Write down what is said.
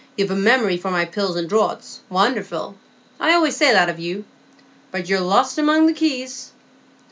You've a memory for my pills and draughts, wonderful,—I'll allays say that of you,—but you're lost among the keys."